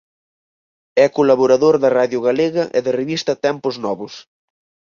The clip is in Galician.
É colaborador da Radio Galega e da revista "Tempos Novos".